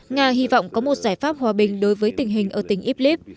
nga hy vọng có một giải pháp hòa bình đối với tình hình ở tỉnh iblis